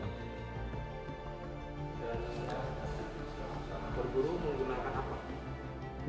dan perburu menggunakan apa